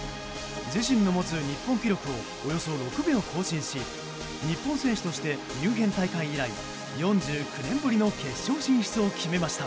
自身の持つ日本記録をおよそ６秒更新し日本選手としてミュンヘン大会以来４９年ぶりの決勝進出を決めました。